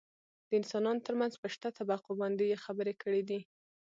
دانسانانو ترمنځ په شته طبقو باندې يې خبرې کړي دي .